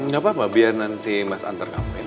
gapapa biar nanti mas antar kamu